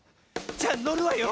じゃあのるわよ。